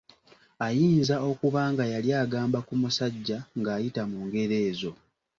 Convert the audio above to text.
Ayinza okuba nga yali agamba ku musajja ng’ayita mu ngero ezo.